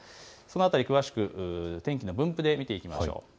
詳しく天気の分布で見ていきましょう。